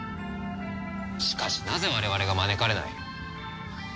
しかしなぜ我々が招かれない？